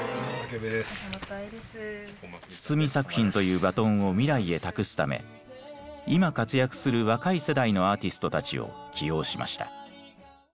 筒美作品というバトンを未来へ託すため今活躍する若い世代のアーティストたちを起用しました。